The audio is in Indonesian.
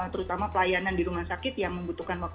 terutama pelayanan di rumah sakit yang membutuhkan waktu